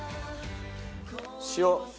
塩。